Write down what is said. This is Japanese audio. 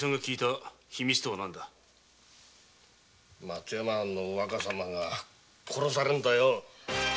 松山藩の若様が殺されるんだよ！